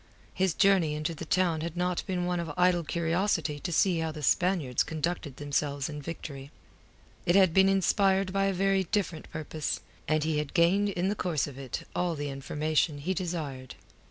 His journey into the town had not been one of idle curiosity to see how the Spaniards conducted themselves in victory. It had been inspired by a very different purpose, and he had gained in the course of it all the information he desired.